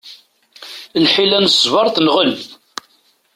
Lḥila n ṣṣber tenɣel.